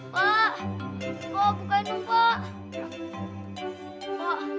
pak kok bukain tuh pak